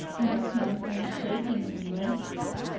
asked Hansen, shaking with mirth.